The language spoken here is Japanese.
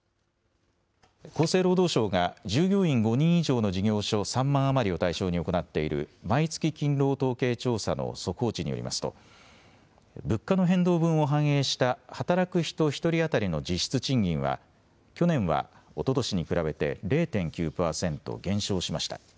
厚生労働省が従業員５人以上の事業所３万余りを対象に行っている毎月勤労統計調査の速報値によりますと、物価の変動分を反映した働く人１人当たりの実質賃金は、去年は、おととしに比べて０．９％減少しました。